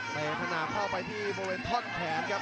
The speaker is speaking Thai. ไปทนาเข้าไปที่โบเวนท์ท่อนแขนครับ